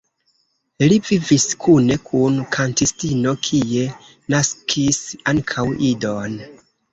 Li vivis kune kun kantistino, kie naskis ankaŭ idon.